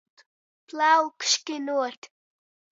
Plaukšynuot.